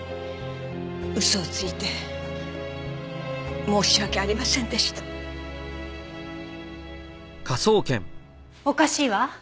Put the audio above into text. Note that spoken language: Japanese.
嘘をついて申し訳ありませんでした。おかしいわ。